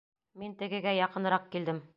Мин тегегә яҡыныраҡ килдем.